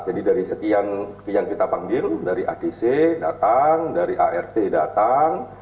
jadi dari sekian yang kita panggil dari adc datang dari art datang